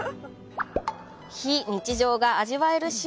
非日常が味わえる島。